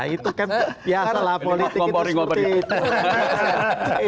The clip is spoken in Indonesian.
itu kan biasa lah politik itu seperti itu